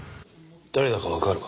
誰だかわかるか？